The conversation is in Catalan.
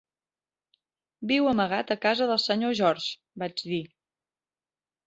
"Viu amagat a casa del senyor George", vaig dir.